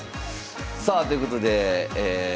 さあということでえ